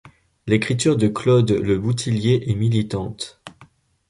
L'écriture de Claude Le Bouthillier est militante.